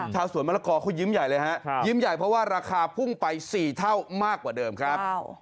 ชาวสวนมะละกอเขายิ้มใหญ่เลยฮะยิ้มใหญ่เพราะว่าราคาพุ่งไป๔เท่ามากกว่าเดิมครับ